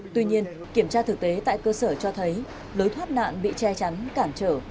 tuy nhiên kiểm tra thực tế tại cơ sở cho thấy lối thoát nạn bị che chắn cản trở